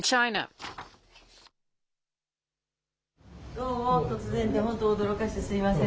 どうも、突然で本当驚かしてすみません。